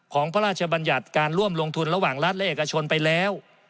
พระราชบัญญัติการร่วมลงทุนระหว่างรัฐและเอกชนไปแล้ว